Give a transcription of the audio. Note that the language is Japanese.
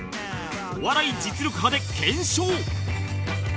『お笑い実力刃』で検証